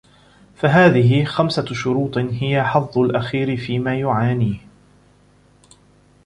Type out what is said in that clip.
فَهَذِهِ خَمْسَةُ شُرُوطٍ هِيَ حَظُّ الْأَخِيرِ فِيمَا يُعَانِيهِ